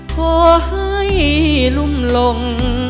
ขอให้รุ่มลง